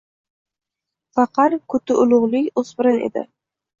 Faqat qutiulug‘lik o‘spirin edi